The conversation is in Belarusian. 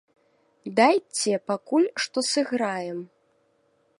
Дайце пакуль што сыграем!